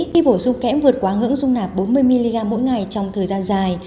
khi bổ sung kém vượt qua ngưỡng sung nạp bốn mươi mg mỗi ngày trong thời gian dài